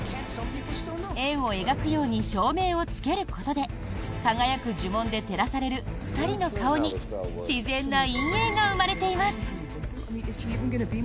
円を描くように照明をつけることで輝く呪文で照らされる２人の顔に自然な陰影が生まれています。